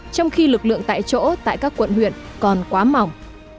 trong khi lực lượng tại chỗ tại các quận huyện còn quá mỏng